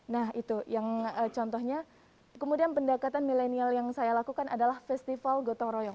nah itu yang contohnya kemudian pendekatan milenial yang saya lakukan adalah festival gotong royong